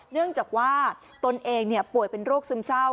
เนื่องจากว่าตนเองป่วยเป็นโรคซึมเศร้า